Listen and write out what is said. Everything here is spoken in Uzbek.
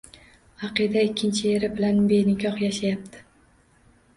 Aqida ikkinchi eri bilan benikoh yashayapti